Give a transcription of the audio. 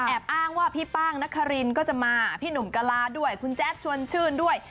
อ้างว่าพี่ป้างนครินก็จะมาพี่หนุ่มกะลาด้วยคุณแจ๊ดชวนชื่นด้วย